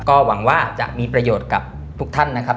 ก็หวังว่าจะมีประโยชน์กับทุกท่านนะครับ